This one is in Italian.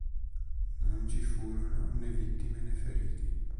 Non ci furono né vittime né feriti.